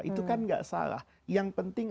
itu kan gak salah yang penting